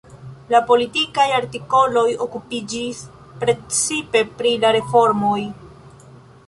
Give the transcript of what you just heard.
La politikaj artikoloj okupiĝis precipe pri la reformoj.